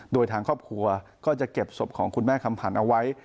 โดยทางครอบครัวก็จะเก็บศพของคุณแม่คำผันเอาไว้